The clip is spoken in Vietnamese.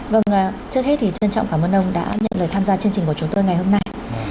vâng trước hết thì trân trọng cảm ơn ông đã nhận lời tham gia chương trình của chúng tôi ngày hôm nay